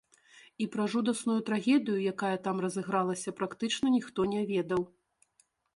І пра жудасную трагедыю, якая там разыгралася, практычна ніхто не ведаў.